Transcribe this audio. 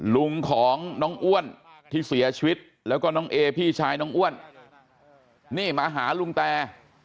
ลุงของน้องอ้วนที่เสียชีวิตแล้วก็น้องเอพี่ชายน้องอ้วนนี่มาหาลุงแต